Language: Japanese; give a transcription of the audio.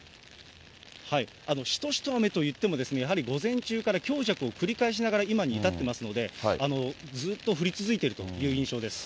しとしと雨といっても、やはり午前中から強弱を繰り返しながら今に至ってますので、ずーっと降り続いているという印象です。